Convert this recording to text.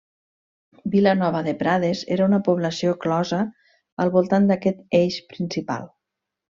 Vilanova de Prades era una població closa al voltant d'aquest eix principal.